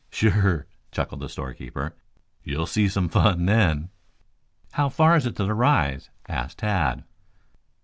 "Sure," chuckled the storekeeper. "You'll see some fun then." "How far is it to the rise?" asked Tad.